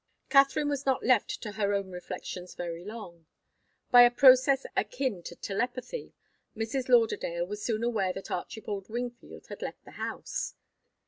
Katharine was not left to her own reflections very long. By a process akin to telepathy, Mrs. Lauderdale was soon aware that Archibald Wingfield had left the house.